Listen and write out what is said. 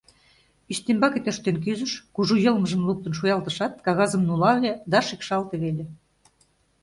Ӱстембаке тӧрштен кӱзыш, кужу йылмыжым луктын шуялтышат, кагазым нулале да шикшалте веле.